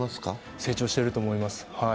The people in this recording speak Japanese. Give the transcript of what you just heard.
成長していると思います。